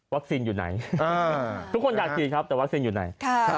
อยู่ไหนทุกคนอยากฉีดครับแต่วัคซีนอยู่ไหน